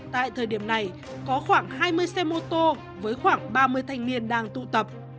tại thời điểm này có khoảng hai mươi xe mô tô với khoảng ba mươi thanh niên đang tụ tập